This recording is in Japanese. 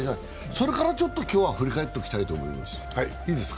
それからちょっと今日は振り返っておきたいと思います。